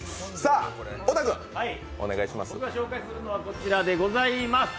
僕が紹介するのはこちらでございます。